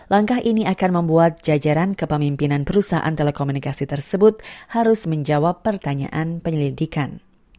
langkah ini akan membuat jajaran kepemimpinan perusahaan telekomunikasi tersebut harus menjawab pertanyaan penyelidikan